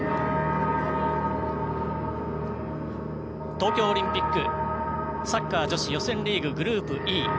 東京オリンピックサッカー女子予選リーググループ Ｅ。